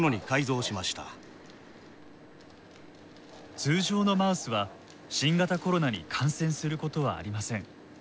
通常のマウスは新型コロナに感染することはありません。